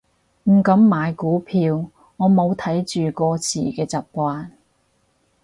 唔敢買股票，我冇睇住個市嘅習慣